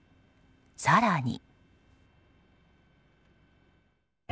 更に。